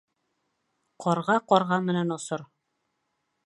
Ҡарға ҡарға менән осор.